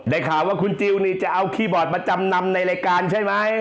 ข่าวว่าคุณจิลนี่จะเอาคีย์บอร์ดมาจำนำในรายการใช่ไหม